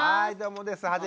はいどうもです。